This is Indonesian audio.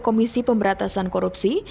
komisi pemberantasan korupsi